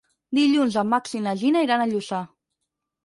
Dilluns en Max i na Gina iran a Lluçà.